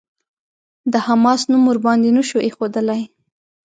د «حماس» نوم ورباندې نه شو ايښودلای.